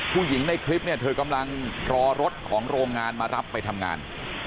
ผู้หญิงในคลิปเนี่ยเธอกำลังรอรถของโรงงานมารับไปทำงาน